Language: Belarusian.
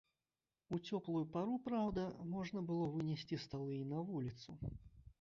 У цёплую пару, праўда, можна было вынесці сталы і на вуліцу.